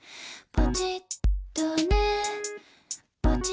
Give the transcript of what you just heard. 「ポチッとね」